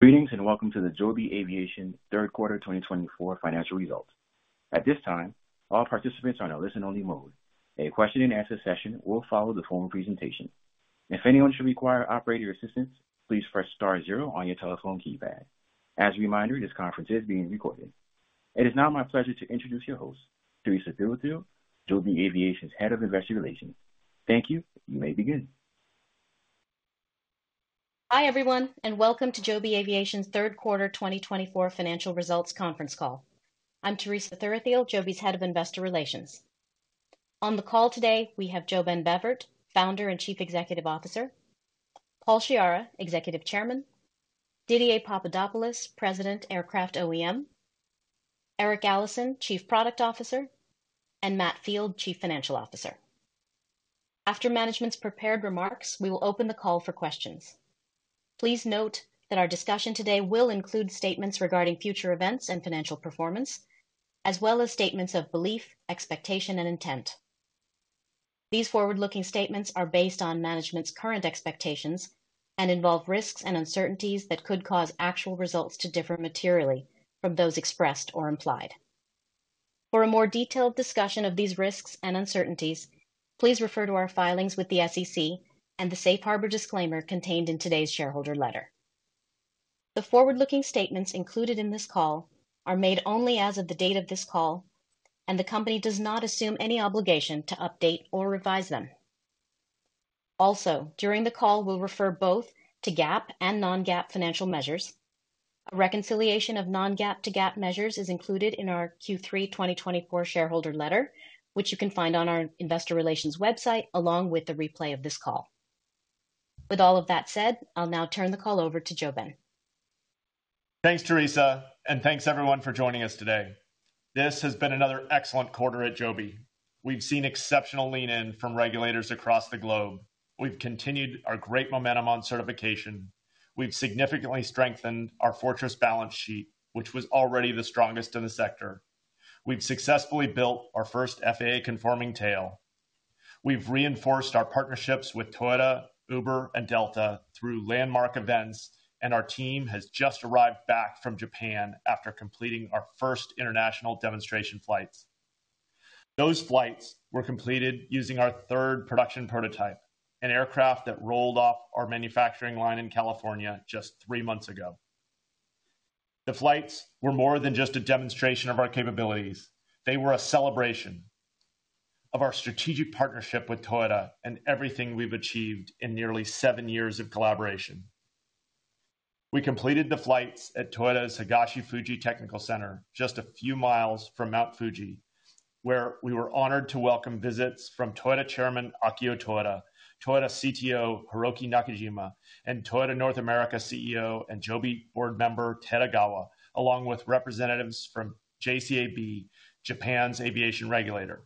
Greetings and welcome to the Joby Aviation Q3 2024 financial results. At this time, all participants are in a listen-only mode. A question-and-answer session will follow the formal presentation. If anyone should require operator assistance, please press *0 on your telephone keypad. As a reminder, this conference is being recorded. It is now my pleasure to introduce your host, Teresa Thuruthiyil, Joby Aviation's Head of Investor Relations. Thank you, you may begin. Hi everyone, and welcome to Joby Aviation Q3 2024 financial results conference call. I'm Teresa Thuruthiyil, Joby's Head of Investor Relations. On the call today, we have JoeBen Bevirt, Founder and Chief Executive Officer, Paul Sciarra, Executive Chairman, Didier Papadopoulos, President, Aircraft OEM, Eric Allison, Chief Product Officer, and Matt Field, Chief Financial Officer. After management's prepared remarks, we will open the call for questions. Please note that our discussion today will include statements regarding future events and financial performance, as well as statements of belief, expectation, and intent. These forward-looking statements are based on management's current expectations and involve risks and uncertainties that could cause actual results to differ materially from those expressed or implied. For a more detailed discussion of these risks and uncertainties, please refer to our filings with the SEC and the safe harbor disclaimer contained in today's shareholder letter. The forward-looking statements included in this call are made only as of the date of this call, and the company does not assume any obligation to update or revise them. Also, during the call, we'll refer both to GAAP and non-GAAP financial measures. A reconciliation of non-GAAP to GAAP measures is included in our Q3 2024 shareholder letter, which you can find on our Investor Relations website along with the replay of this call. With all of that said, I'll now turn the call over to JoeBen. Thanks, Teresa, and thanks everyone for joining us today. This has been another excellent quarter at Joby. We've seen exceptional lean-in from regulators across the globe. We've continued our great momentum on certification. We've significantly strengthened our fortress balance sheet, which was already the strongest in the sector. We've successfully built our first FAA-conforming tail. We've reinforced our partnerships with Toyota, Uber, and Delta through landmark events, and our team has just arrived back from Japan after completing our first international demonstration flights. Those flights were completed using our third production prototype, an aircraft that rolled off our manufacturing line in California just three months ago. The flights were more than just a demonstration of our capabilities. They were a celebration of our strategic partnership with Toyota and everything we've achieved in nearly seven years of collaboration. We completed the flights at Toyota's Higashi-Fuji Technical Center, just a few miles from Mount Fuji, where we were honored to welcome visits from Toyota Chairman Akio Toyoda, Toyota CTO Hiroki Nakajima, and Toyota North America CEO and Joby Board Member Ted Ogawa, along with representatives from JCAB, Japan's aviation regulator.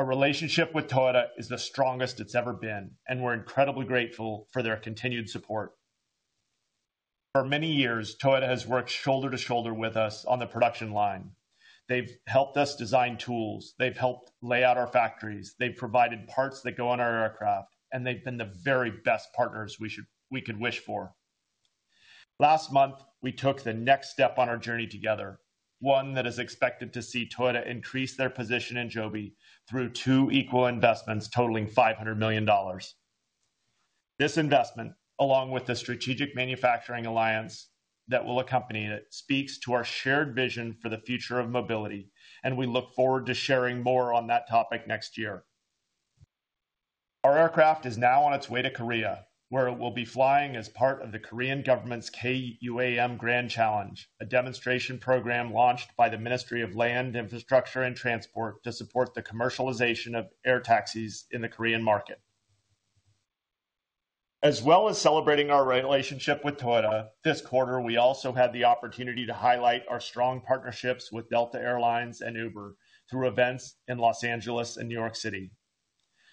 Our relationship with Toyota is the strongest it's ever been, and we're incredibly grateful for their continued support. For many years, Toyota has worked shoulder to shoulder with us on the production line. They've helped us design tools, they've helped lay out our factories, they've provided parts that go on our aircraft, and they've been the very best partners we could wish for. Last month, we took the next step on our journey together, one that is expected to see Toyota increase their position in Joby through two equal investments totaling $500 million. This investment, along with the strategic manufacturing alliance that will accompany it, speaks to our shared vision for the future of mobility, and we look forward to sharing more on that topic next year. Our aircraft is now on its way to Korea, where it will be flying as part of the Korean government's K-UAM Grand Challenge, a demonstration program launched by the Ministry of Land, Infrastructure, and Transport to support the commercialization of air taxis in the Korean market. As well as celebrating our relationship with Toyota, this quarter we also had the opportunity to highlight our strong partnerships with Delta Air Lines and Uber through events in Los Angeles and New York City.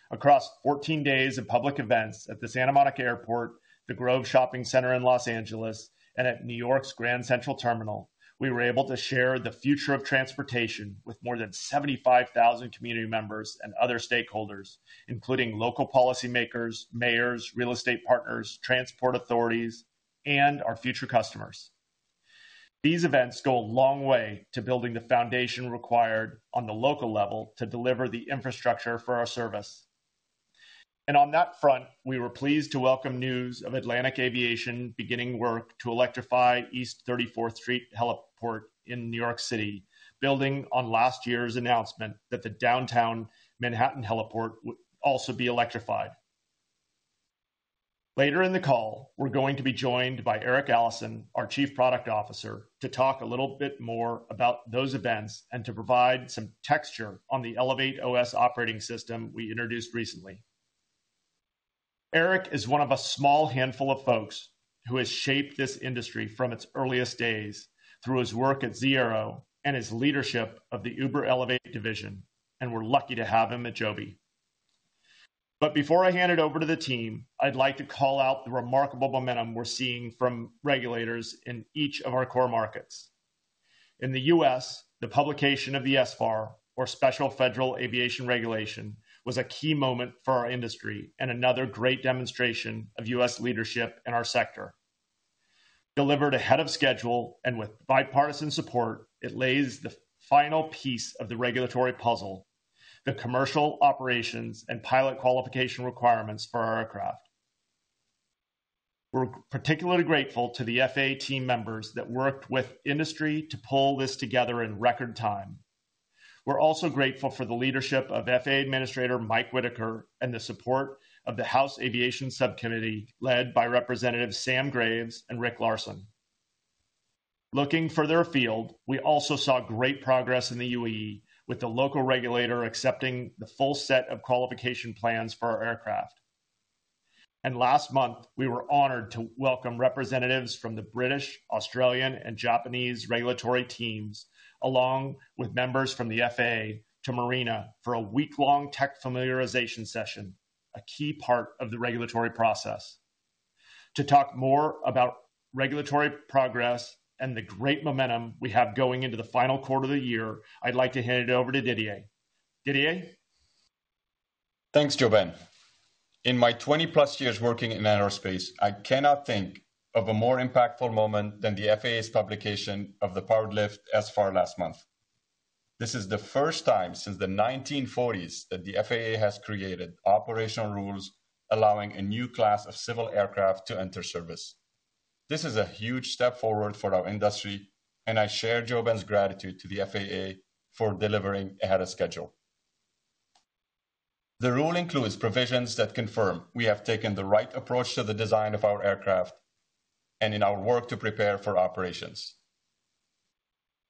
Across 14 days of public events at the Santa Monica Airport, The Grove Shopping Center in Los Angeles, and at New York's Grand Central Terminal, we were able to share the future of transportation with more than 75,000 community members and other stakeholders, including local policymakers, mayors, real estate partners, transport authorities, and our future customers. These events go a long way to building the foundation required on the local level to deliver the infrastructure for our service. And on that front, we were pleased to welcome news of Atlantic Aviation beginning work to electrify East 34th Street Heliport in New York City, building on last year's announcement that the Downtown Manhattan Heliport would also be electrified. Later in the call, we're going to be joined by Eric Allison, our Chief Product Officer, to talk a little bit more about those events and to provide some texture on the ElevateOS operating system we introduced recently. Eric is one of a small handful of folks who has shaped this industry from its earliest days through his work at Zee.Aero and his leadership of the Uber Elevate division, and we're lucky to have him at Joby. But before I hand it over to the team, I'd like to call out the remarkable momentum we're seeing from regulators in each of our core markets. In the U.S., the publication of the SFAR, or Special Federal Aviation Regulation, was a key moment for our industry and another great demonstration of U.S. leadership in our sector. Delivered ahead of schedule and with bipartisan support, it lays the final piece of the regulatory puzzle: the commercial operations and pilot qualification requirements for our aircraft. We're particularly grateful to the FAA team members that worked with industry to pull this together in record time. We're also grateful for the leadership of FAA Administrator Mike Whitaker and the support of the House Aviation Subcommittee led by Representatives Sam Graves and Rick Larsen. Looking further afield, we also saw great progress in the U.A.E., with the local regulator accepting the full set of qualification plans for our aircraft. And last month, we were honored to welcome representatives from the British, Australian, and Japanese regulatory teams, along with members from the FAA, to Marina for a week-long tech familiarization session, a key part of the regulatory process. To talk more about regulatory progress and the great momentum we have going into the final quarter of the year, I'd like to hand it over to Didier. Didier? Thanks, JoeBen. In my 20+ years working in aerospace, I cannot think of a more impactful moment than the FAA's publication of the Powered Lift SFAR last month. This is the first time since the 1940s that the FAA has created operational rules allowing a new class of civil aircraft to enter service. This is a huge step forward for our industry, and I share JoeBen's gratitude to the FAA for delivering ahead of schedule. The rule includes provisions that confirm we have taken the right approach to the design of our aircraft and in our work to prepare for operations.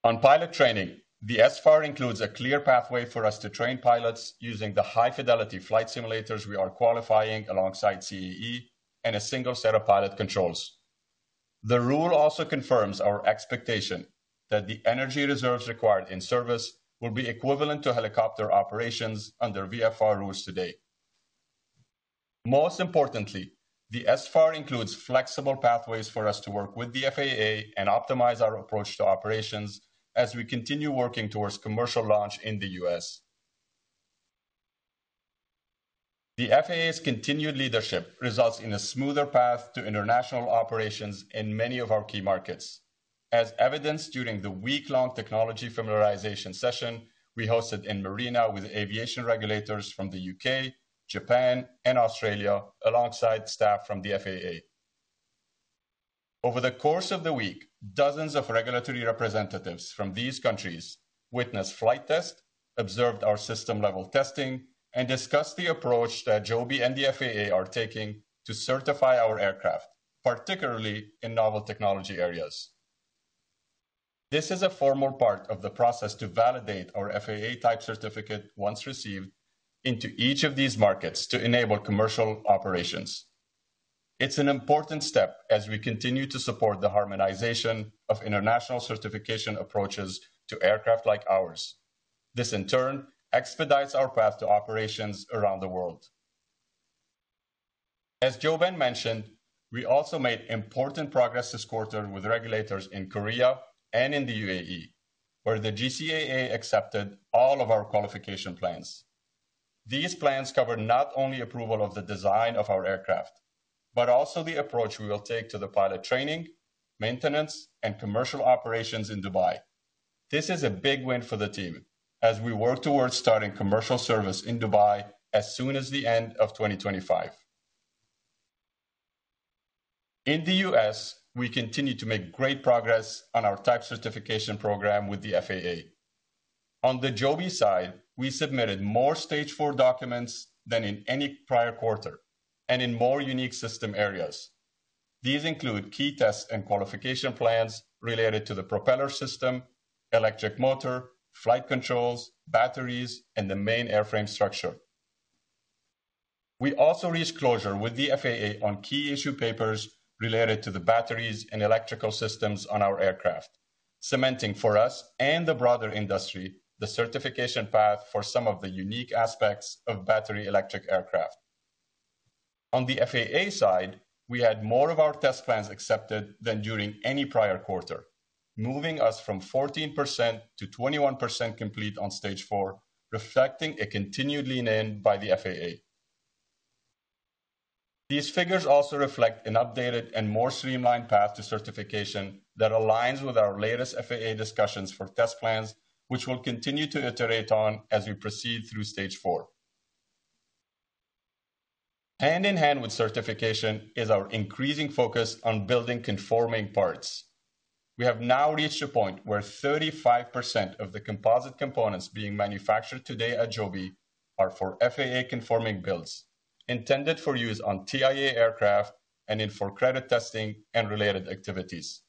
On pilot training, the SFAR includes a clear pathway for us to train pilots using the high-fidelity flight simulators we are qualifying alongside CAE and a single set of pilot controls. The rule also confirms our expectation that the energy reserves required in service will be equivalent to helicopter operations under VFR rules today. Most importantly, the SFAR includes flexible pathways for us to work with the FAA and optimize our approach to operations as we continue working towards commercial launch in the U.S. The FAA's continued leadership results in a smoother path to international operations in many of our key markets, as evidenced during the week-long technology familiarization session we hosted in Marina with aviation regulators from the U.K., Japan, and Australia alongside staff from the FAA. Over the course of the week, dozens of regulatory representatives from these countries witnessed flight tests, observed our system-level testing, and discussed the approach that Joby and the FAA are taking to certify our aircraft, particularly in novel technology areas. This is a formal part of the process to validate our FAA Type Certificate, once received, into each of these markets to enable commercial operations. It's an important step as we continue to support the harmonization of international certification approaches to aircraft like ours. This, in turn, expedites our path to operations around the world. As JoeBen mentioned, we also made important progress this quarter with regulators in Korea and in the U.A.E., where the GCAA accepted all of our qualification plans. These plans cover not only approval of the design of our aircraft, but also the approach we will take to the pilot training, maintenance, and commercial operations in Dubai. This is a big win for the team, as we work towards starting commercial service in Dubai as soon as the end of 2025. In the U.S., we continue to make great progress on our type certification program with the FAA. On the Joby side, we submitted more Stage 4 documents than in any prior quarter and in more unique system areas. These include key tests and qualification plans related to the propeller system, electric motor, flight controls, batteries, and the main airframe structure. We also reached closure with the FAA on key issue papers related to the batteries and electrical systems on our aircraft, cementing for us and the broader industry the certification path for some of the unique aspects of battery electric aircraft. On the FAA side, we had more of our test plans accepted than during any prior quarter, moving us from 14% to 21% complete on Stage 4, reflecting a continued lean-in by the FAA. These figures also reflect an updated and more streamlined path to certification that aligns with our latest FAA discussions for test plans, which we'll continue to iterate on as we proceed through Stage 4. Hand in hand with certification is our increasing focus on building conforming parts. We have now reached a point where 35% of the composite components being manufactured today at Joby are for FAA conforming builds intended for use on TIA aircraft and in for-credit testing and related activities,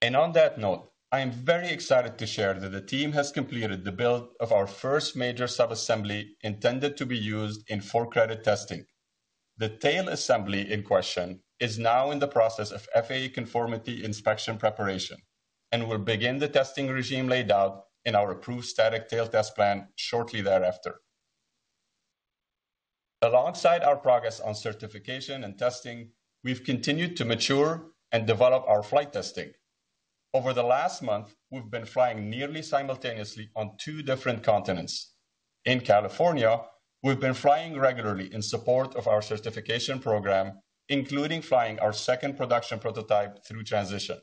and on that note, I am very excited to share that the team has completed the build of our first major sub-assembly intended to be used in for-credit testing. The tail assembly in question is now in the process of FAA conformity inspection preparation and will begin the testing regime laid out in our approved static tail test plan shortly thereafter. Alongside our progress on certification and testing, we've continued to mature and develop our flight testing. Over the last month, we've been flying nearly simultaneously on two different continents. In California, we've been flying regularly in support of our certification program, including flying our second production prototype through transition,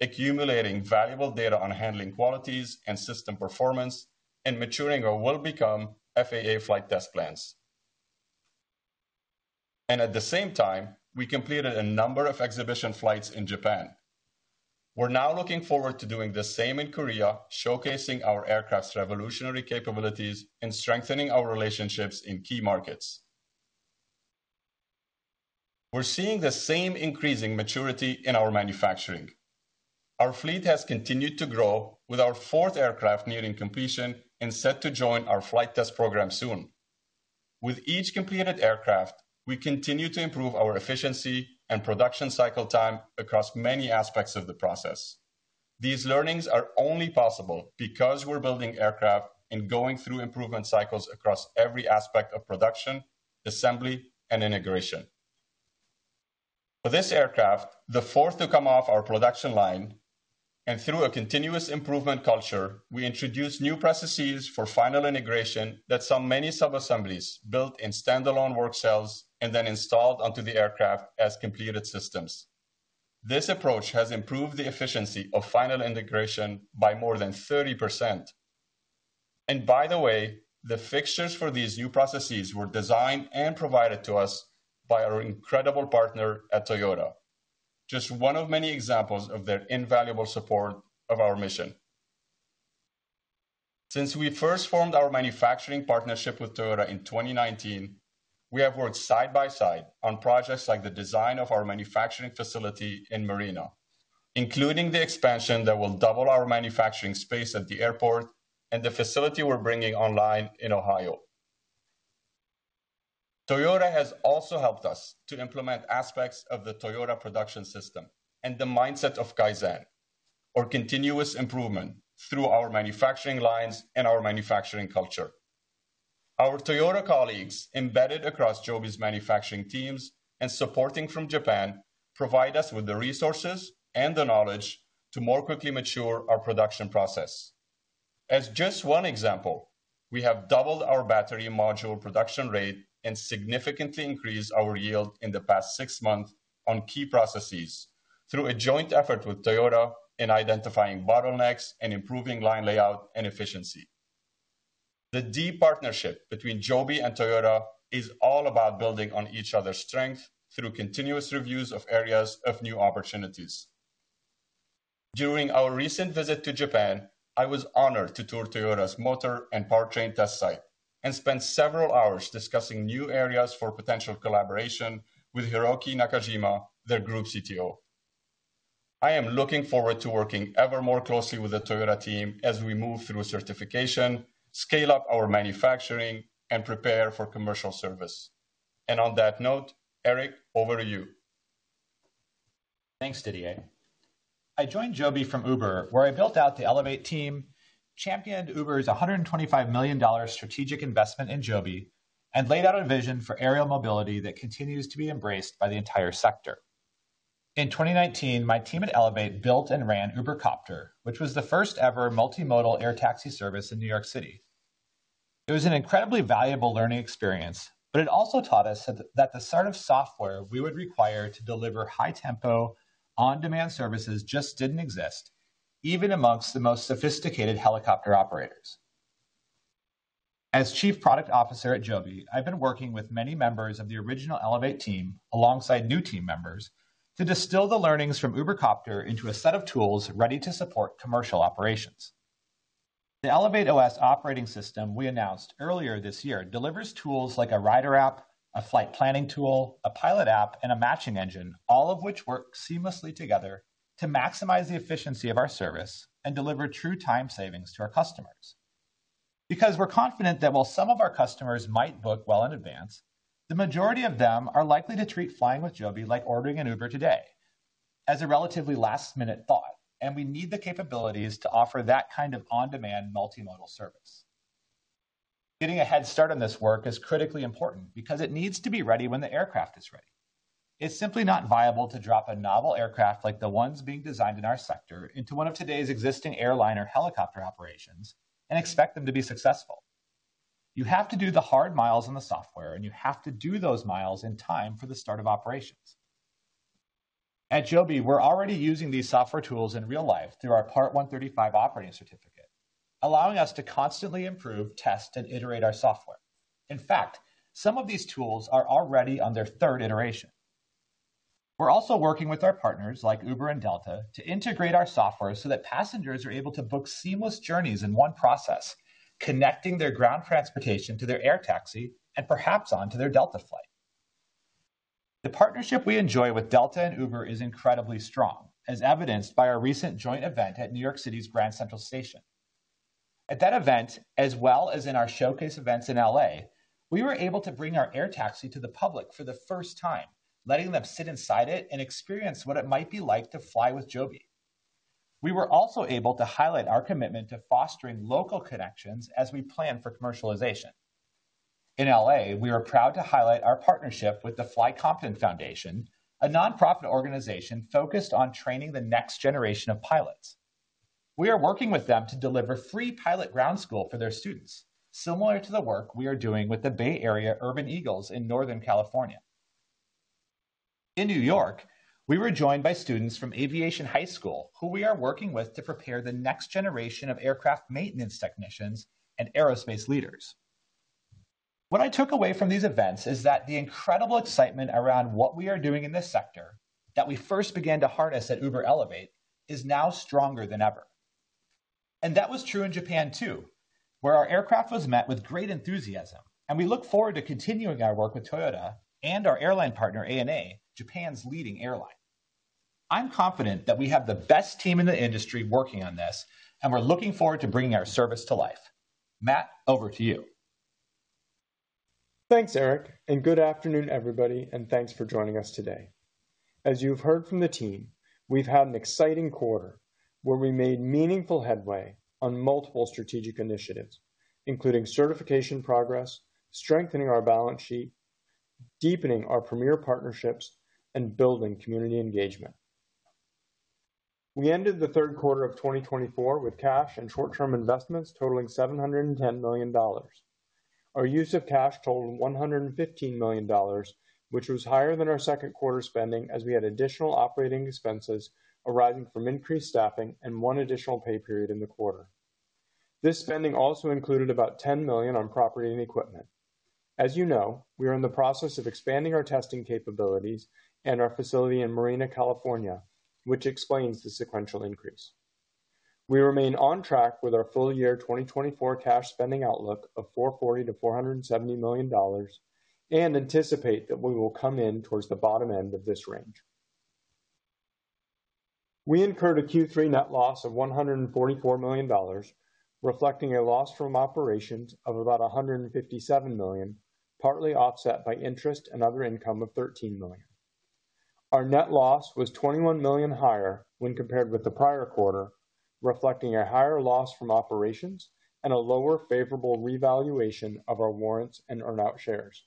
accumulating valuable data on handling qualities and system performance, and maturing our FAA flight test plans, and at the same time, we completed a number of exhibition flights in Japan. We're now looking forward to doing the same in Korea, showcasing our aircraft's revolutionary capabilities and strengthening our relationships in key markets. We're seeing the same increasing maturity in our manufacturing. Our fleet has continued to grow, with our fourth aircraft nearing completion and set to join our flight test program soon. With each completed aircraft, we continue to improve our efficiency and production cycle time across many aspects of the process. These learnings are only possible because we're building aircraft and going through improvement cycles across every aspect of production, assembly, and integration. For this aircraft, the fourth to come off our production line, and through a continuous improvement culture, we introduced new processes for final integration that saw many sub-assemblies built in standalone work cells and then installed onto the aircraft as completed systems. This approach has improved the efficiency of final integration by more than 30%, and by the way, the fixtures for these new processes were designed and provided to us by our incredible partner at Toyota, just one of many examples of their invaluable support of our mission. Since we first formed our manufacturing partnership with Toyota in 2019, we have worked side by side on projects like the design of our manufacturing facility in Marina, including the expansion that will double our manufacturing space at the airport and the facility we're bringing online in Ohio. Toyota has also helped us to implement aspects of the Toyota Production System and the mindset of Kaizen, or continuous improvement, through our manufacturing lines and our manufacturing culture. Our Toyota colleagues embedded across Joby's manufacturing teams and supporting from Japan provide us with the resources and the knowledge to more quickly mature our production process. As just one example, we have doubled our battery module production rate and significantly increased our yield in the past six months on key processes through a joint effort with Toyota in identifying bottlenecks and improving line layout and efficiency. The deep partnership between Joby and Toyota is all about building on each other's strength through continuous reviews of areas of new opportunities. During our recent visit to Japan, I was honored to tour Toyota's motor and powertrain test site and spent several hours discussing new areas for potential collaboration with Hiroki Nakajima, their Group CTO. I am looking forward to working ever more closely with the Toyota team as we move through certification, scale up our manufacturing, and prepare for commercial service. And on that note, Eric, over to you. Thanks, Didier. I joined Joby from Uber, where I built out the Elevate team, championed Uber's $125 million strategic investment in Joby, and laid out a vision for aerial mobility that continues to be embraced by the entire sector. In 2019, my team at Elevate built and ran Uber Copter, which was the first-ever multimodal air taxi service in New York City. It was an incredibly valuable learning experience, but it also taught us that the sort of software we would require to deliver high-tempo, on-demand services just didn't exist, even amongst the most sophisticated helicopter operators. As Chief Product Officer at Joby, I've been working with many members of the original Elevate team alongside new team members to distill the learnings from Uber Copter into a set of tools ready to support commercial operations. The ElevateOS operating system we announced earlier this year delivers tools like a rider app, a flight planning tool, a pilot app, and a matching engine, all of which work seamlessly together to maximize the efficiency of our service and deliver true time savings to our customers. Because we're confident that while some of our customers might book well in advance, the majority of them are likely to treat flying with Joby like ordering an Uber today as a relatively last-minute thought, and we need the capabilities to offer that kind of on-demand multimodal service. Getting a head start on this work is critically important because it needs to be ready when the aircraft is ready. It's simply not viable to drop a novel aircraft like the ones being designed in our sector into one of today's existing airline or helicopter operations and expect them to be successful. You have to do the hard miles in the software, and you have to do those miles in time for the start of operations. At Joby, we're already using these software tools in real life through our Part 135 operating certificate, allowing us to constantly improve, test, and iterate our software. In fact, some of these tools are already on their third iteration. We're also working with our partners like Uber and Delta to integrate our software so that passengers are able to book seamless journeys in one process, connecting their ground transportation to their air taxi and perhaps onto their Delta flight. The partnership we enjoy with Delta and Uber is incredibly strong, as evidenced by our recent joint event at New York City's Grand Central Terminal. At that event, as well as in our showcase events in L.A., we were able to bring our air taxi to the public for the first time, letting them sit inside it and experience what it might be like to fly with Joby. We were also able to highlight our commitment to fostering local connections as we plan for commercialization. In L.A., we are proud to highlight our partnership with the Fly Compton Foundation, a nonprofit organization focused on training the next generation of pilots. We are working with them to deliver free pilot ground school for their students, similar to the work we are doing with the Bay Area Urban Eagles in Northern California. In New York, we were joined by students from Aviation High School, who we are working with to prepare the next generation of aircraft maintenance technicians and aerospace leaders. What I took away from these events is that the incredible excitement around what we are doing in this sector that we first began to harness at Uber Elevate is now stronger than ever, and that was true in Japan, too, where our aircraft was met with great enthusiasm, and we look forward to continuing our work with Toyota and our airline partner, ANA, Japan's leading airline. I'm confident that we have the best team in the industry working on this, and we're looking forward to bringing our service to life. Matt, over to you. Thanks, Eric, and good afternoon, everybody, and thanks for joining us today. As you've heard from the team, we've had an exciting quarter where we made meaningful headway on multiple strategic initiatives, including certification progress, strengthening our balance sheet, deepening our premier partnerships, and building community engagement. We ended the third quarter of 2024 with cash and short-term investments totaling $710 million. Our use of cash totaled $115 million, which was higher than our second quarter spending as we had additional operating expenses arising from increased staffing and one additional pay period in the quarter. This spending also included about $10 million on property and equipment. As you know, we are in the process of expanding our testing capabilities and our facility in Marina, California, which explains the sequential increase. We remain on track with our full-year 2024 cash spending outlook of $440 million-$470 million and anticipate that we will come in towards the bottom end of this range. We incurred a Q3 net loss of $144 million, reflecting a loss from operations of about $157 million, partly offset by interest and other income of $13 million. Our net loss was $21 million higher when compared with the prior quarter, reflecting a higher loss from operations and a lower favorable revaluation of our warrants and earn-out shares.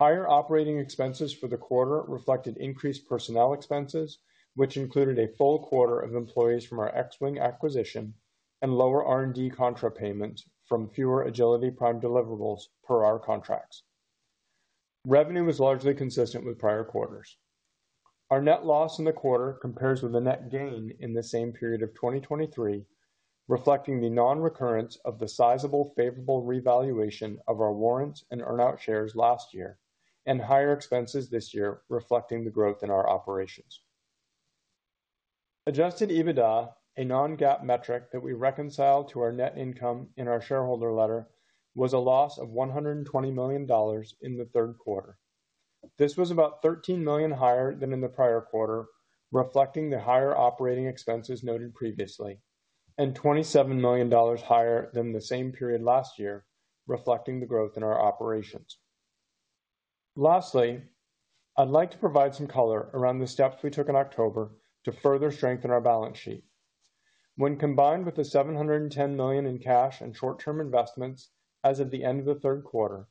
Higher operating expenses for the quarter reflected increased personnel expenses, which included a full quarter of employees from our Xwing acquisition and lower R&D contra payments from fewer Agility Prime deliverables per our contracts. Revenue was largely consistent with prior quarters. Our net loss in the quarter compares with the net gain in the same period of 2023, reflecting the non-recurrence of the sizable favorable revaluation of our warrants and earn-out shares last year and higher expenses this year, reflecting the growth in our operations. Adjusted EBITDA, a non-GAAP metric that we reconciled to our net income in our shareholder letter, was a loss of $120 million in the third quarter. This was about $13 million higher than in the prior quarter, reflecting the higher operating expenses noted previously, and $27 million higher than the same period last year, reflecting the growth in our operations. Lastly, I'd like to provide some color around the steps we took in October to further strengthen our balance sheet. When combined with the $710 million in cash and short-term investments as of the end of the third quarter,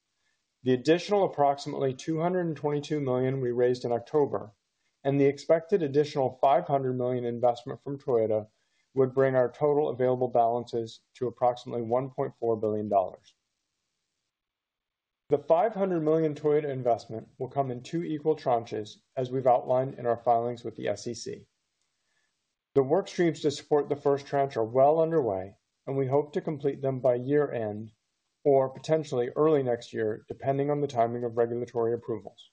the additional approximately $222 million we raised in October and the expected additional $500 million investment from Toyota would bring our total available balances to approximately $1.4 billion. The $500 million Toyota investment will come in two equal tranches, as we've outlined in our filings with the SEC. The workstreams to support the first tranche are well underway, and we hope to complete them by year-end or potentially early next year, depending on the timing of regulatory approvals.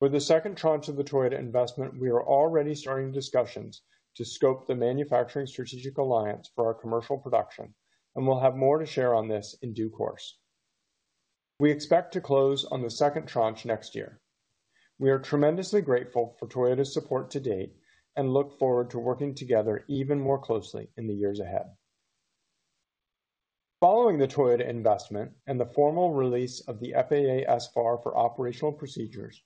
With the second tranche of the Toyota investment, we are already starting discussions to scope the manufacturing strategic alliance for our commercial production, and we'll have more to share on this in due course. We expect to close on the second tranche next year. We are tremendously grateful for Toyota's support to date and look forward to working together even more closely in the years ahead. Following the Toyota investment and the formal release of the FAA SFAR for operational procedures,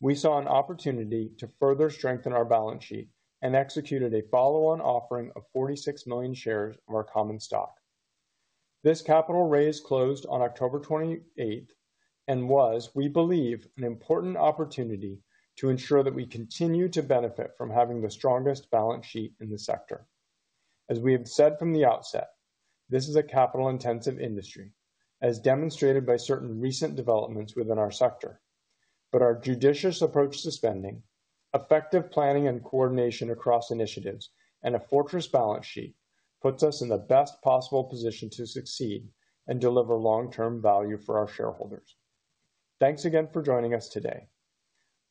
we saw an opportunity to further strengthen our balance sheet and executed a follow-on offering of 46 million shares of our common stock. This capital raise closed on October 28 and was, we believe, an important opportunity to ensure that we continue to benefit from having the strongest balance sheet in the sector. As we have said from the outset, this is a capital-intensive industry, as demonstrated by certain recent developments within our sector, but our judicious approach to spending, effective planning and coordination across initiatives, and a fortress balance sheet puts us in the best possible position to succeed and deliver long-term value for our shareholders. Thanks again for joining us today.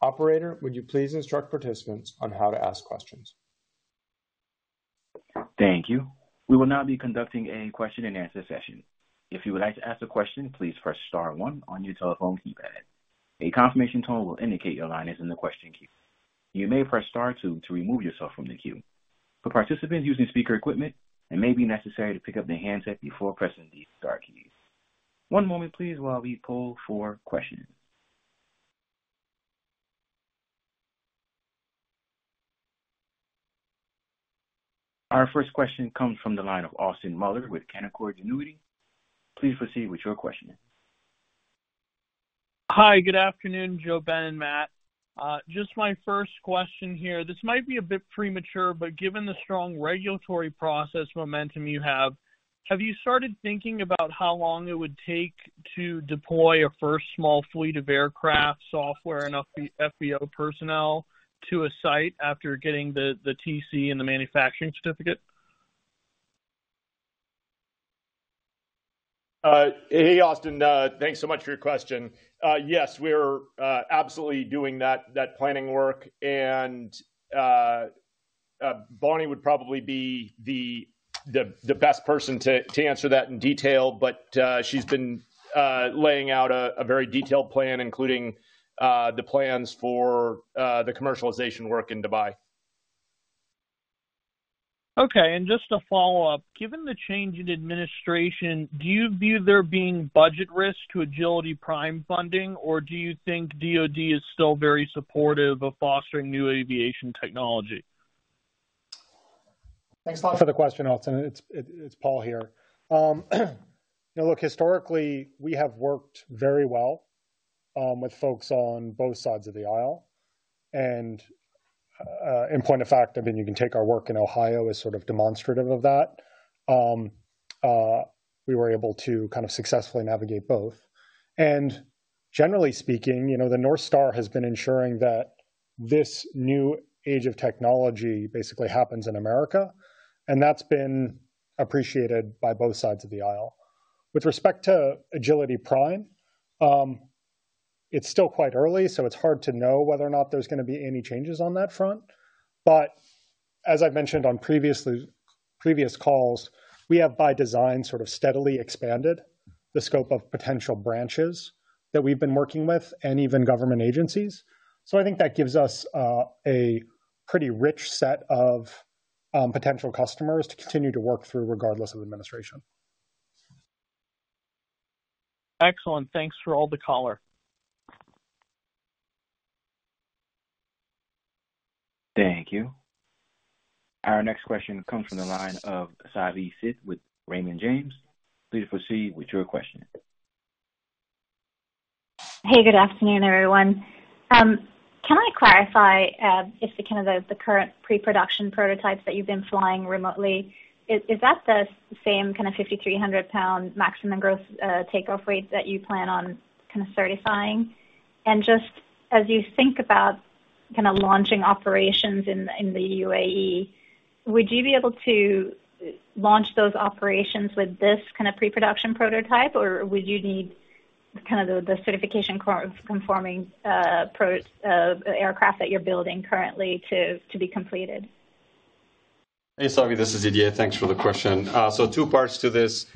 Operator, would you please instruct participants on how to ask questions? Thank you. We will now be conducting a question-and-answer session. If you would like to ask a question, please press star one on your telephone keypad. A confirmation tone will indicate your line is in the question queue. You may press star two to remove yourself from the queue. For participants using speaker equipment, it may be necessary to pick up their handset before pressing the star keys. One moment, please, while we poll for questions. Our first question comes from the line of Austin Moeller with Canaccord Genuity. Please proceed with your question. Hi, good afternoon, JoeBen and Matt. Just my first question here. This might be a bit premature, but given the strong regulatory process momentum you have, have you started thinking about how long it would take to deploy a first small fleet of aircraft, software, and FBO personnel to a site after getting the TC and the manufacturing certificate? Hey, Austin. Thanks so much for your question. Yes, we're absolutely doing that planning work, and Bonny would probably be the best person to answer that in detail, but she's been laying out a very detailed plan, including the plans for the commercialization work in Dubai. Okay. And just to follow up, given the change in administration, do you view there being budget risk to Agility Prime funding, or do you think DOD is still very supportive of fostering new aviation technology? Thanks a lot for the question, Austin. It's Paul here. Look, historically, we have worked very well with folks on both sides of the aisle, and in point of fact, I mean, you can take our work in Ohio as sort of demonstrative of that. We were able to kind of successfully navigate both, and generally speaking, the North Star has been ensuring that this new age of technology basically happens in America, and that's been appreciated by both sides of the aisle. With respect to Agility Prime, it's still quite early, so it's hard to know whether or not there's going to be any changes on that front, but as I've mentioned on previous calls, we have, by design, sort of steadily expanded the scope of potential branches that we've been working with and even government agencies. So I think that gives us a pretty rich set of potential customers to continue to work through regardless of administration. Excellent. Thanks for all the color. Thank you. Our next question comes from the line of Savi Syth with Raymond James. Please proceed with your question. Hey, good afternoon, everyone. Can I clarify if the kind of the current pre-production prototypes that you've been flying remotely, is that the same kind of 5,300-pound maximum gross takeoff weight that you plan on kind of certifying? And just as you think about kind of launching operations in the U.A.E., would you be able to launch those operations with this kind of pre-production prototype, or would you need kind of the certification-conforming aircraft that you're building currently to be completed? Hey, Savi. This is Didier. Thanks for the question. So two parts to this.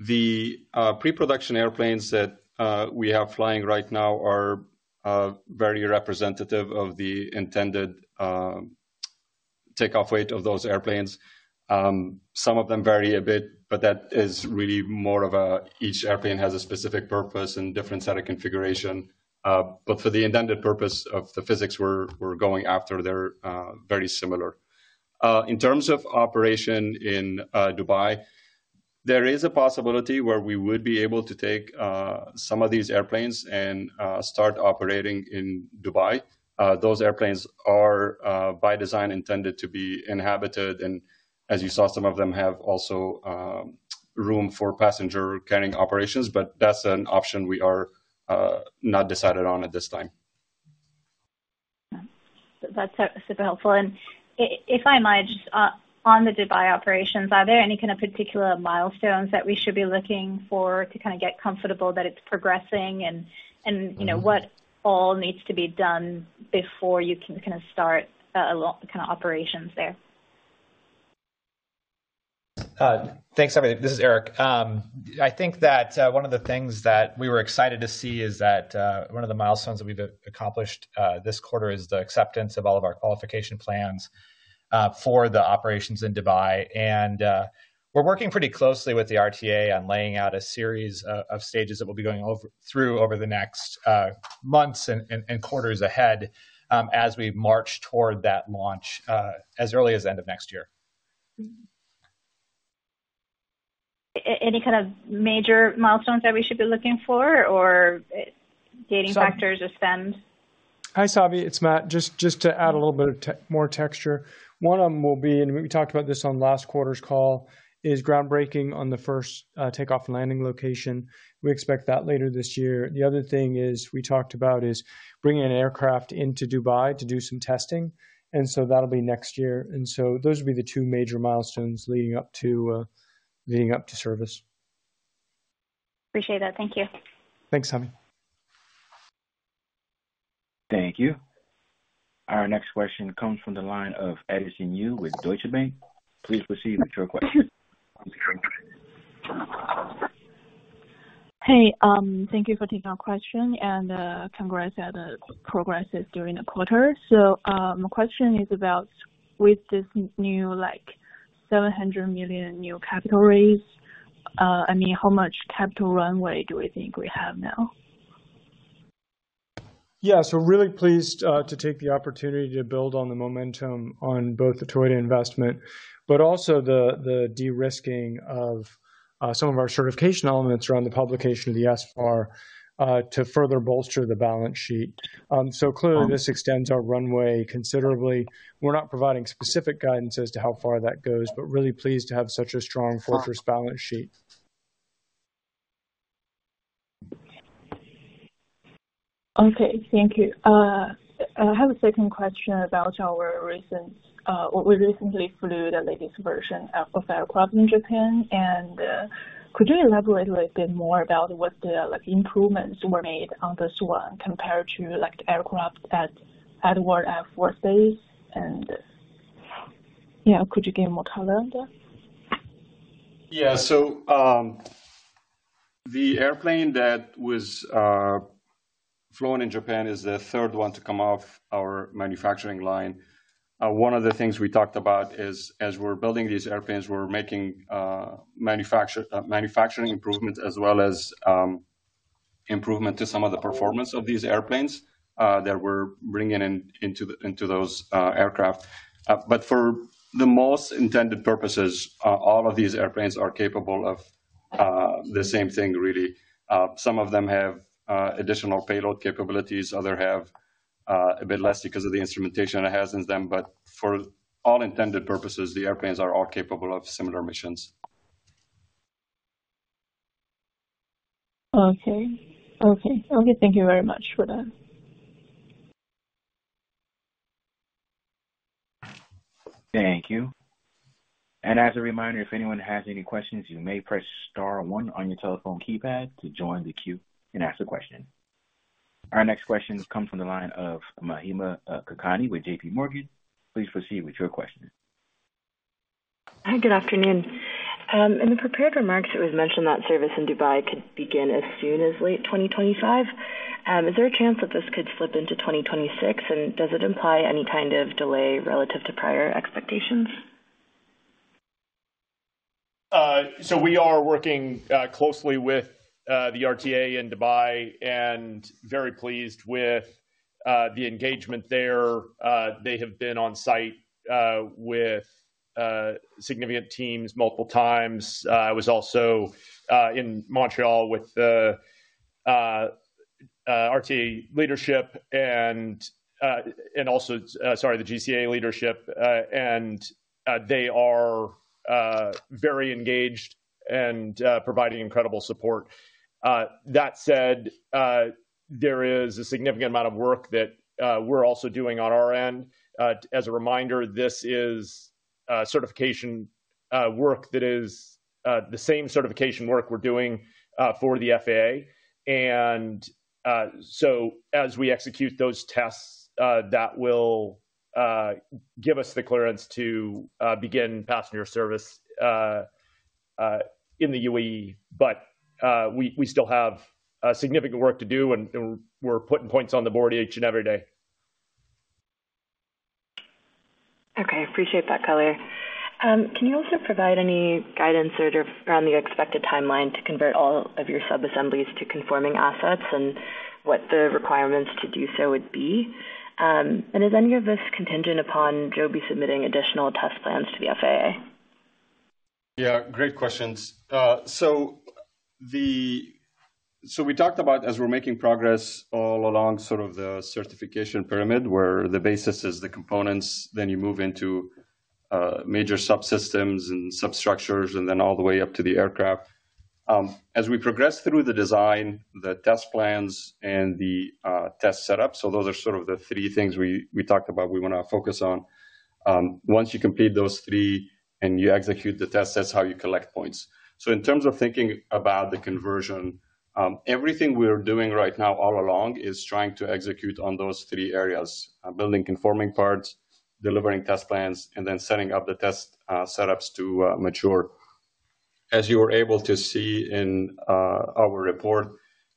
The pre-production airplanes that we have flying right now are very representative of the intended takeoff weight of those airplanes. Some of them vary a bit, but that is really more of a each airplane has a specific purpose and different set of configuration. But for the intended purpose of the physics we're going after, they're very similar. In terms of operation in Dubai, there is a possibility where we would be able to take some of these airplanes and start operating in Dubai. Those airplanes are, by design, intended to be inhabited, and as you saw, some of them have also room for passenger carrying operations, but that's an option we are not decided on at this time. That's super helpful. And if I might, just on the Dubai operations, are there any kind of particular milestones that we should be looking for to kind of get comfortable that it's progressing and what all needs to be done before you can kind of start kind of operations there? Thanks, everybody. This is Eric. I think that one of the things that we were excited to see is that one of the milestones that we've accomplished this quarter is the acceptance of all of our qualification plans for the operations in Dubai. And we're working pretty closely with the RTA on laying out a series of stages that we'll be going through over the next months and quarters ahead as we march toward that launch as early as the end of next year. Any kind of major milestones that we should be looking for or gating factors or spend? Hi, Savi. It's Matt. Just to add a little bit more texture, one of them will be, and we talked about this on last quarter's call, is groundbreaking on the first takeoff and landing location. We expect that later this year. The other thing we talked about is bringing an aircraft into Dubai to do some testing, and so that'll be next year, and so those would be the two major milestones leading up to service. Appreciate that. Thank you. Thanks, Savi. Thank you. Our next question comes from the line of Edison Yu with Deutsche Bank. Please proceed with your question. Hey, thank you for taking our question and congrats on the progress during the quarter. So my question is about, with this new $700 million capital raise, I mean, how much capital runway do we think we have now? Yeah, so really pleased to take the opportunity to build on the momentum on both the Toyota investment, but also the de-risking of some of our certification elements around the publication of the SFAR to further bolster the balance sheet, so clearly, this extends our runway considerably. We're not providing specific guidance as to how far that goes, but really pleased to have such a strong fortress balance sheet. Okay, thank you. I have a second question about we recently flew the latest version of aircraft in Japan, and could you elaborate a little bit more about what the improvements were made on this one compared to the aircraft at Edwards Air Force Base? And yeah, could you give more color on that? Yeah, so the airplane that was flown in Japan is the third one to come off our manufacturing line. One of the things we talked about is as we're building these airplanes, we're making manufacturing improvements as well as improvement to some of the performance of these airplanes that we're bringing into those aircraft. But for the most intended purposes, all of these airplanes are capable of the same thing, really. Some of them have additional payload capabilities. Others have a bit less because of the instrumentation it has in them. But for all intended purposes, the airplanes are all capable of similar missions. Okay, thank you very much for that. Thank you. And as a reminder, if anyone has any questions, you may press star one on your telephone keypad to join the queue and ask a question. Our next question comes from the line of Mahima Kakani with JPMorgan. Please proceed with your question. Hi, good afternoon. In the prepared remarks, it was mentioned that service in Dubai could begin as soon as late 2025. Is there a chance that this could slip into 2026, and does it imply any kind of delay relative to prior expectations? So we are working closely with the RTA in Dubai and very pleased with the engagement there. They have been on site with significant teams multiple times. I was also in Montreal with the RTA leadership and also, sorry, the GCAA leadership, and they are very engaged and providing incredible support. That said, there is a significant amount of work that we're also doing on our end. As a reminder, this is certification work that is the same certification work we're doing for the FAA. And so as we execute those tests, that will give us the clearance to begin passenger service in the U.A.E. But we still have significant work to do, and we're putting points on the board each and every day. Okay. Appreciate the color. Can you also provide any guidance around the expected timeline to convert all of your sub-assemblies to conforming articles and what the requirements to do so would be? And is any of this contingent upon Joby submitting additional test plans to the FAA? Yeah, great questions. So we talked about as we're making progress all along sort of the certification pyramid where the basis is the components, then you move into major subsystems and substructures, and then all the way up to the aircraft. As we progress through the design, the test plans, and the test setup, so those are sort of the three things we talked about we want to focus on. Once you complete those three and you execute the tests, that's how you collect points. So in terms of thinking about the conformity, everything we're doing right now all along is trying to execute on those three areas: building conforming parts, delivering test plans, and then setting up the test setups to mature. As you were able to see in our report,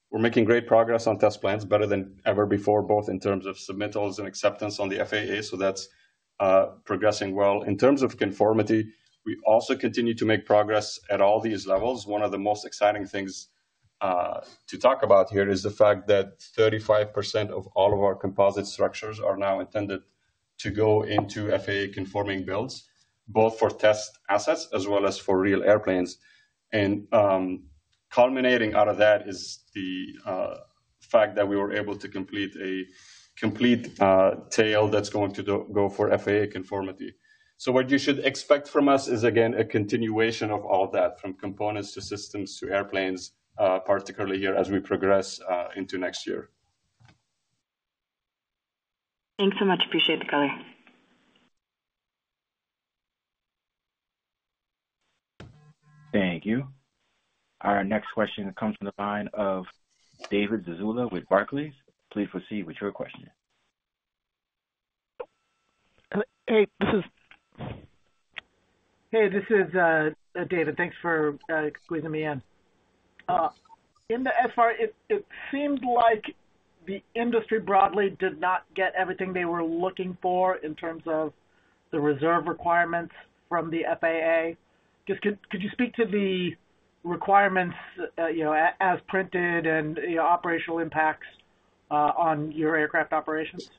we're making great progress on test plans, better than ever before, both in terms of submittals and acceptance on the FAA, so that's progressing well. In terms of conformity, we also continue to make progress at all these levels. One of the most exciting things to talk about here is the fact that 35% of all of our composite structures are now intended to go into FAA conforming builds, both for test assets as well as for real airplanes. And culminating out of that is the fact that we were able to complete a complete tail that's going to go for FAA conformity. So what you should expect from us is, again, a continuation of all of that from components to systems to airplanes, particularly here as we progress into next year. Thanks so much. Appreciate the color. Thank you. Our next question comes from the line of David Zazula with Barclays. Please proceed with your question. Hey, this is David. Thanks for squeezing me in. In the SFAR, it seemed like the industry broadly did not get everything they were looking for in terms of the reserve requirements from the FAA. Could you speak to the requirements as printed and operational impacts on your aircraft operations?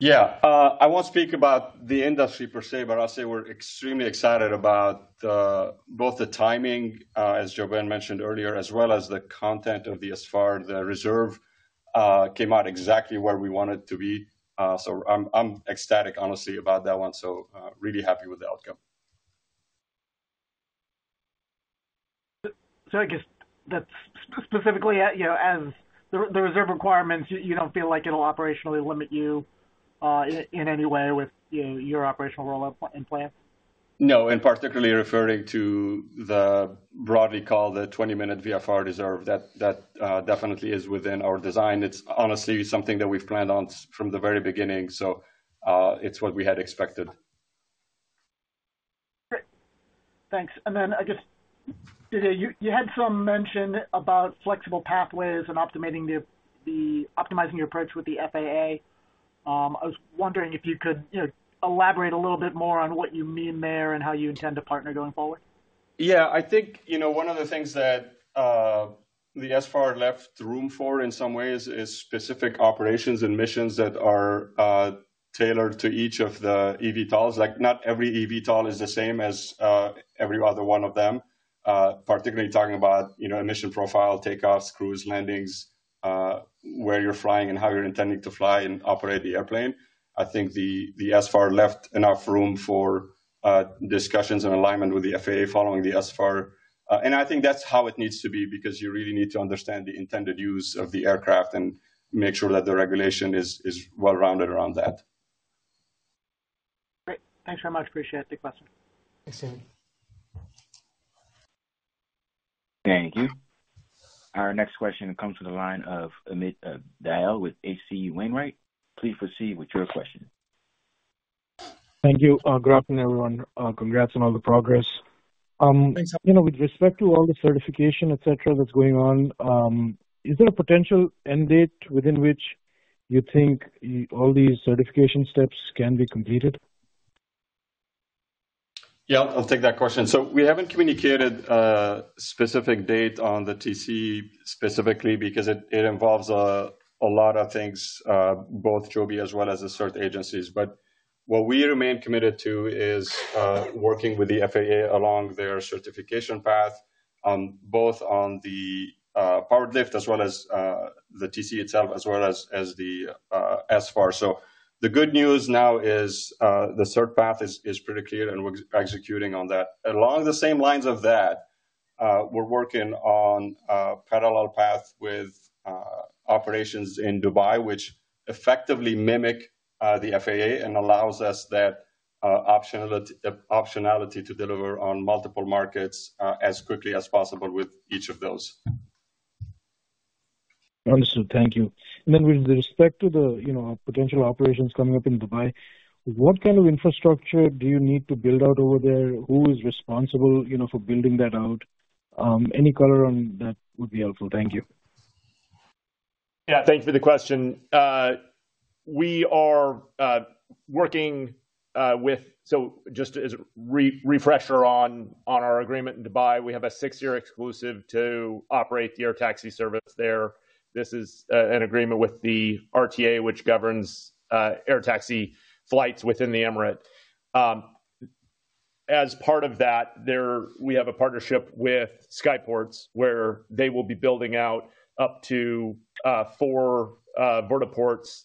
Yeah, I won't speak about the industry per se, but I'll say we're extremely excited about both the timing, as JoeBen mentioned earlier, as well as the content of the SFAR. The rule came out exactly where we wanted it to be. So I'm ecstatic, honestly, about that one. So really happy with the outcome. So I guess that's specifically as the reserve requirements, you don't feel like it'll operationally limit you in any way with your operational rollout and plans? No, and particularly referring to the broadly called 20-minute VFR reserve, that definitely is within our design. It's honestly something that we've planned on from the very beginning, so it's what we had expected. Thanks. And then I guess, Didier, you had some mention about flexible pathways and optimizing your approach with the FAA. I was wondering if you could elaborate a little bit more on what you mean there and how you intend to partner going forward. Yeah, I think one of the things that the SFAR left room for in some ways is specific operations and missions that are tailored to each of the eVTOLs. Not every eVTOL is the same as every other one of them, particularly talking about emission profile, takeoffs, cruise landings, where you're flying, and how you're intending to fly and operate the airplane. I think the SFAR left enough room for discussions and alignment with the FAA following the SFAR, and I think that's how it needs to be because you really need to understand the intended use of the aircraft and make sure that the regulation is well-rounded around that. Great. Thanks very much. Appreciate the question. Thanks, David. Thank you. Our next question comes from the line of Amit Dayal with H.C. Wainwright. Please proceed with your question. Thank you. Good afternoon, everyone. Congrats on all the progress. With respect to all the certification, etc., that's going on, is there a potential end date within which you think all these certification steps can be completed? Yeah, I'll take that question. So we haven't communicated a specific date on the TC specifically because it involves a lot of things, both Joby as well as the cert agencies. But what we remain committed to is working with the FAA along their certification path, both on the powered lift as well as the TC itself as well as the SFAR. So the good news now is the cert path is pretty clear, and we're executing on that. Along the same lines of that, we're working on a parallel path with operations in Dubai, which effectively mimic the FAA and allows us that optionality to deliver on multiple markets as quickly as possible with each of those. Understood. Thank you. And then with respect to the potential operations coming up in Dubai, what kind of infrastructure do you need to build out over there? Who is responsible for building that out? Any color on that would be helpful. Thank you. Yeah, thanks for the question. We are working with, so just as a refresher on our agreement in Dubai, we have a six-year exclusive to operate the air taxi service there. This is an agreement with the RTA, which governs air taxi flights within the Emirates. As part of that, we have a partnership with Skyports, where they will be building out up to four vertiports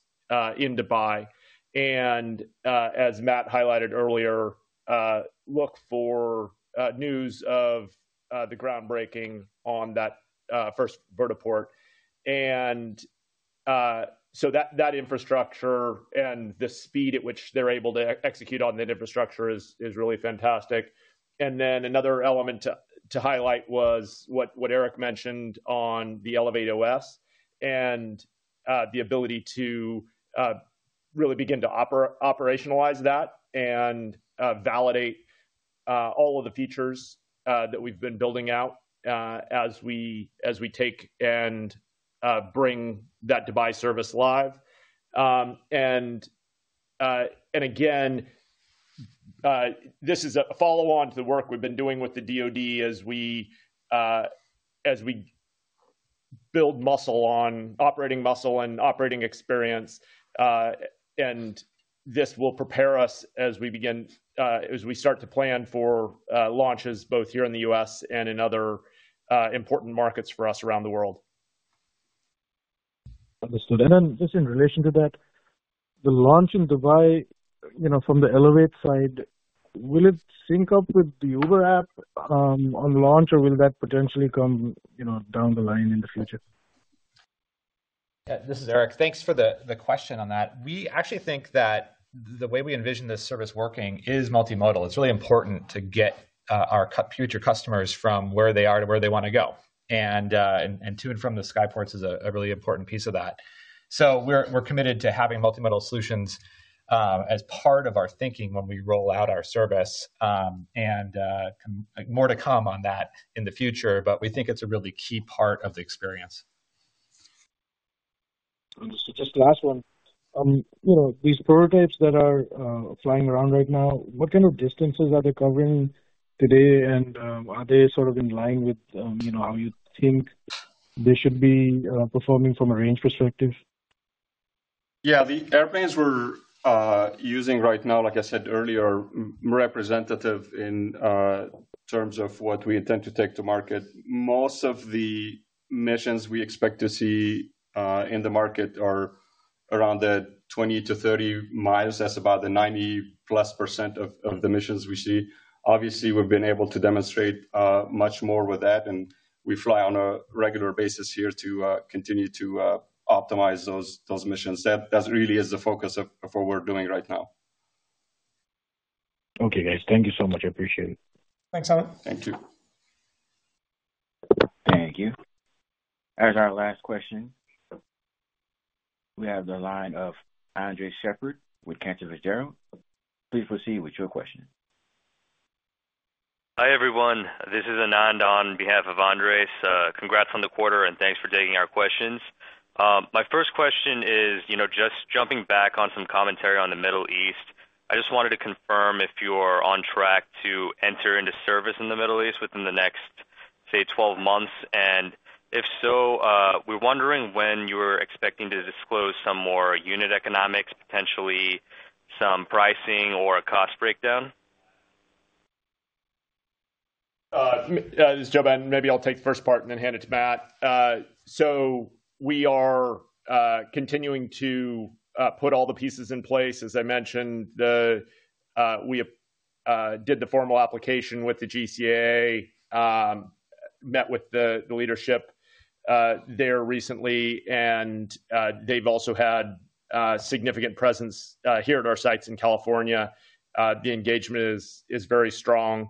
in Dubai. And as Matt highlighted earlier, look for news of the groundbreaking on that first vertiport. And so that infrastructure and the speed at which they're able to execute on that infrastructure is really fantastic. And then another element to highlight was what Eric mentioned on the ElevateOS and the ability to really begin to operationalize that and validate all of the features that we've been building out as we take and bring that Dubai service live. Again, this is a follow-on to the work we've been doing with the DOD as we build muscle on operating muscle and operating experience. This will prepare us as we start to plan for launches both here in the U.S. and in other important markets for us around the world. Understood. And then just in relation to that, the launch in Dubai from the Elevate side, will it sync up with the Uber app on launch, or will that potentially come down the line in the future? This is Eric. Thanks for the question on that. We actually think that the way we envision this service working is multimodal. It's really important to get our future customers from where they are to where they want to go, and to and from the Skyports is a really important piece of that, so we're committed to having multimodal solutions as part of our thinking when we roll out our service, and more to come on that in the future, but we think it's a really key part of the experience. Understood. Just the last one. These prototypes that are flying around right now, what kind of distances are they covering today, and are they sort of in line with how you think they should be performing from a range perspective? Yeah, the airplanes we're using right now, like I said earlier, are representative in terms of what we intend to take to market. Most of the missions we expect to see in the market are around the 20-30 miles. That's about the 90%+ of the missions we see. Obviously, we've been able to demonstrate much more with that, and we fly on a regular basis here to continue to optimize those missions. That really is the focus of what we're doing right now. Okay, guys. Thank you so much. I appreciate it. Thanks, Amit. Thank you. Thank you. As our last question, we have the line of Andres Sheppard with Cantor Fitzgerald. Please proceed with your question. Hi, everyone. This is Anand on behalf of Andres. Congrats on the quarter, and thanks for taking our questions. My first question is just jumping back on some commentary on the Middle East. I just wanted to confirm if you're on track to enter into service in the Middle East within the next, say, 12 months. And if so, we're wondering when you're expecting to disclose some more unit economics, potentially some pricing or a cost breakdown. This is JoeBen. Maybe I'll take the first part and then hand it to Matt. So we are continuing to put all the pieces in place. As I mentioned, we did the formal application with the GCAA, met with the leadership there recently, and they've also had significant presence here at our sites in California. The engagement is very strong.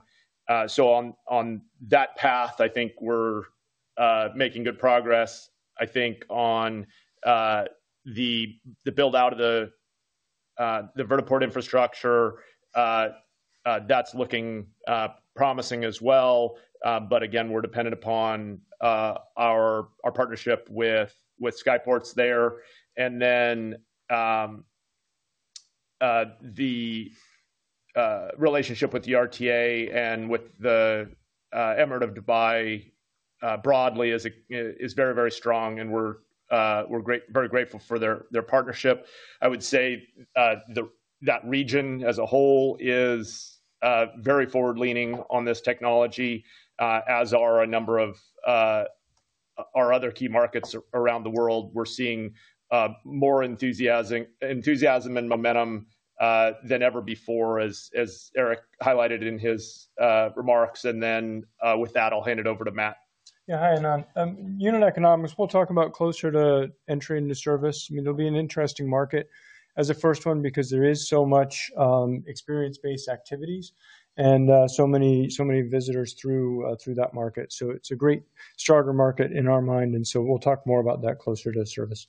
So on that path, I think we're making good progress. I think on the build-out of the Vertiport infrastructure, that's looking promising as well. But again, we're dependent upon our partnership with Skyports there. And then the relationship with the RTA and with the Emirate of Dubai broadly is very, very strong, and we're very grateful for their partnership. I would say that region as a whole is very forward-leaning on this technology, as are a number of our other key markets around the world. We're seeing more enthusiasm and momentum than ever before, as Eric highlighted in his remarks. And then with that, I'll hand it over to Matt. Yeah, hi, Anand. Unit economics, we'll talk about closer to entering the service. I mean, it'll be an interesting market as a first one because there is so much experience-based activities and so many visitors through that market. So it's a great starter market in our mind, and so we'll talk more about that closer to service.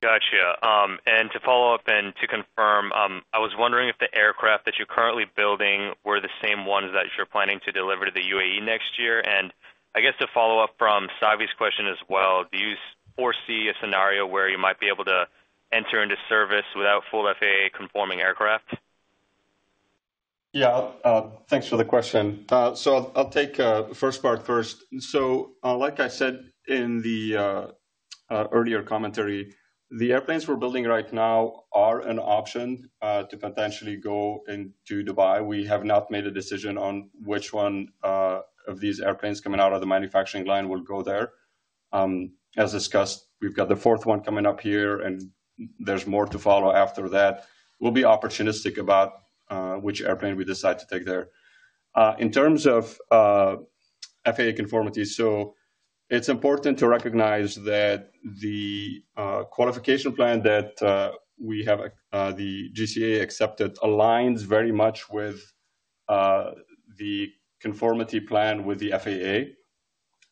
Gotcha. And to follow up and to confirm, I was wondering if the aircraft that you're currently building were the same ones that you're planning to deliver to the U.A.E. next year. And I guess to follow up from Savi's question as well, do you foresee a scenario where you might be able to enter into service without full FAA conforming aircraft? Yeah, thanks for the question. So I'll take the first part first. So like I said in the earlier commentary, the airplanes we're building right now are an option to potentially go into Dubai. We have not made a decision on which one of these airplanes coming out of the manufacturing line will go there. As discussed, we've got the fourth one coming up here, and there's more to follow after that. We'll be opportunistic about which airplane we decide to take there. In terms of FAA conformity, so it's important to recognize that the qualification plan that we have, the GCAA accepted, aligns very much with the conformity plan with the FAA.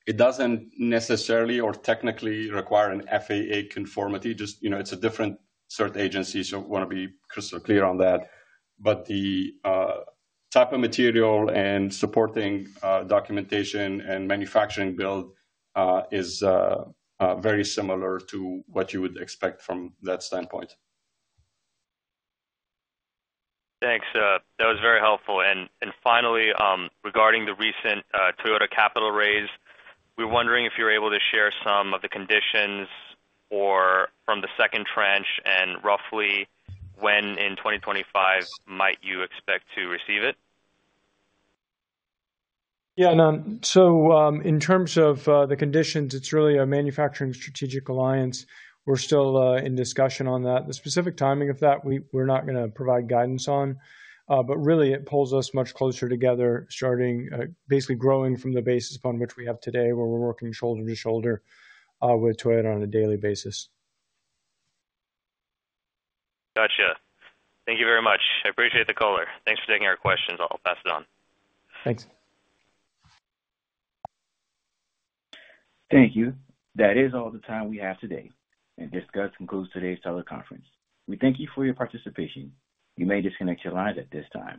It doesn't necessarily or technically require an FAA conformity. It's a different cert agency, so I want to be crystal clear on that. But the type of material and supporting documentation and manufacturing build is very similar to what you would expect from that standpoint. Thanks. That was very helpful. And finally, regarding the recent Toyota capital raise, we're wondering if you're able to share some of the conditions from the second tranche and roughly when in 2025 might you expect to receive it? Yeah, Anand. So in terms of the conditions, it's really a manufacturing strategic alliance. We're still in discussion on that. The specific timing of that, we're not going to provide guidance on. But really, it pulls us much closer together, starting basically growing from the basis upon which we have today, where we're working shoulder to shoulder with Toyota on a daily basis. Gotcha. Thank you very much. I appreciate the call. Thanks for taking our questions. I'll pass it on. Thanks. Thank you. That is all the time we have today. This concludes today's teleconference. We thank you for your participation. You may disconnect your lines at this time.